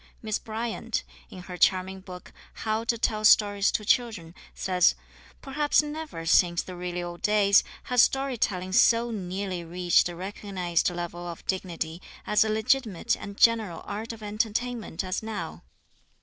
Miss Bryant, in her charming book, How to Tell Stories to Children, says, "Perhaps never, since the really old days, has story telling so nearly reached a recognized level of dignity as a legitimate and general art of entertainment as now."